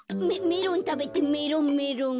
メロンたべてメロンメロン。